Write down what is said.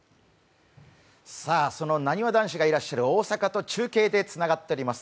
そのなにわ男子がいらっしゃる大阪と中継でつながっております。